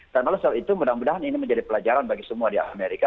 karena setelah itu mudah mudahan ini menjadi pelajaran bagi semua di amerika